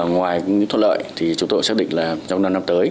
ngoài những thuận lợi chúng tôi xác định là trong năm tới